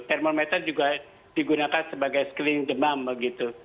thermometer juga digunakan sebagai scling demam begitu